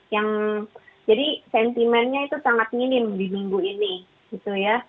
yang jadi sentimennya itu sangat minim di minggu ini gitu ya